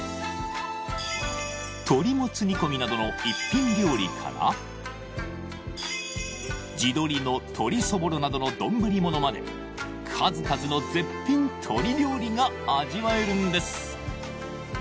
鶏モツ煮込みなどの一品料理から地鶏の鶏そぼろなどの丼ものまで数々の絶品鶏料理が味わえるんです